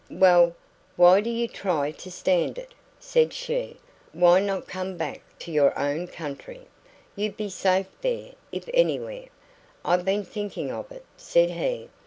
"Well, why do you try to stand it?" said she. "Why not come back to your own country? You'd be safe there, if anywhere." "I've been thinking of it," said he.